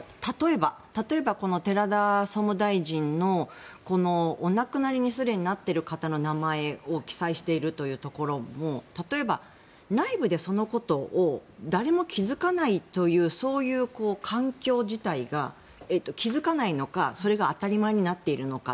例えば、この寺田総務大臣のお亡くなりにすでになっている方の名前を記載しているというところも例えば、内部でそのことを誰も気付かないというそういう環境自体が気付かないのか、それが当たり前になっているのか。